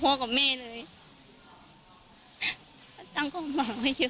แล้วก็เขาช่วยขึ้นมาได้คนหนึ่ง